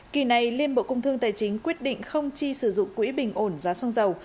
kỳ này liên bộ công thương tài chính quyết định không chi sử dụng quỹ bình ổn giá xăng dầu